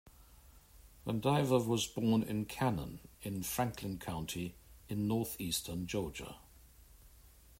Vandiver was born in Canon in Franklin County in northeastern Georgia.